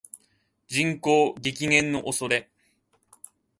人口激減の恐れ